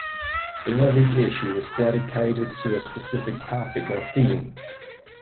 Every issue is dedicated to a specific topic or theme.